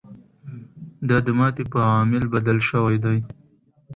دا د ماتې په عامل بدل شوی دی.